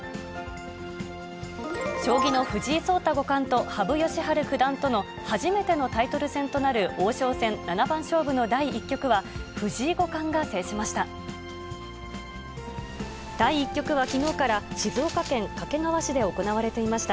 将棋の藤井聡太五冠と羽生善治九段との初めてのタイトル戦となる王将戦七番勝負の第１局は、藤井五冠が制しました。